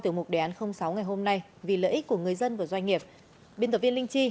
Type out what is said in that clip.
tiểu mục đề án sáu ngày hôm nay vì lợi ích của người dân và doanh nghiệp biên tập viên linh chi